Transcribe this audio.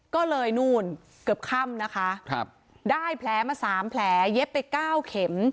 ก็เลยนู่นเกือบค่ำนะคะได้แผลมา๓แผลเย็บไป๙เข็ม